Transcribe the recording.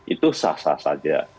itu sah sah saja